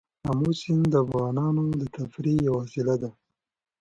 آمو سیند د افغانانو د تفریح یوه وسیله ده.